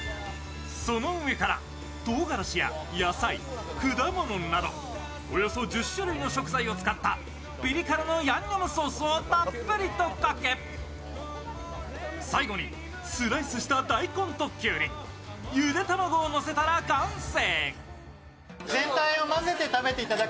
その上からとうがらしや野菜、果物などおよそ１０種類の食材を使ったピリ辛のヤンニョムソースをたっぷりとかけ、最後にスライスした大根ときゅうり、ゆで卵をのせたら完成。